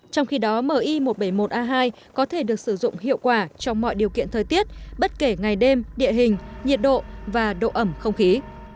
trong khi đó mi một trăm bảy mươi một a hai có thể được sử dụng hiệu quả trong mọi điều kiện thời tiết bất kể ngày đêm địa hình nhiệt độ và độ ẩm không khí